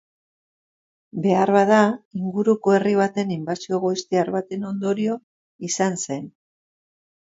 Beharbada, inguruko herri baten inbasio goiztiar baten ondorio izan zen.